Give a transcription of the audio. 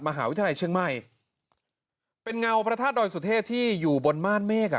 มหาวิทยาลัยเชียงใหม่เป็นเงาพระธาตุดอยสุเทพที่อยู่บนม่านเมฆอ่ะ